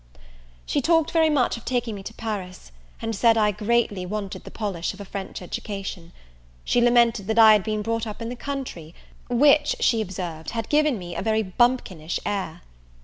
She talked very much of taking me to Paris, and said I greatly wanted the polish of a French education. She lamented that I had been brought up in the country, which, she observed, had given me a very bumpkinish air.